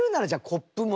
コップも。